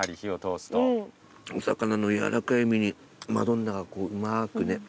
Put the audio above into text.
お魚の軟らかい身にマドンナがこううまーくね絡んで。